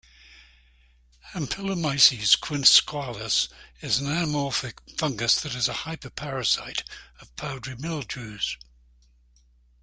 "Ampelomyces quisqualis" is an anamorphic fungus that is a hyperparasite of powdery mildews.